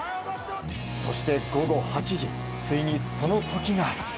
そして午後８時ついにその時が。